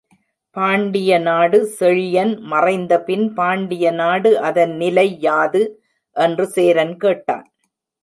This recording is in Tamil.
பாண்டிய நாடு செழியன் மறைந்தபின் பாண்டிய நாடு அதன் நிலை யாது? என்று சேரன் கேட்டான்.